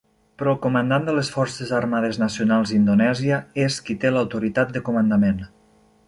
Però el Comandant de les Forces Armades Nacionals d'Indonèsia és qui té l'autoritat de comandament.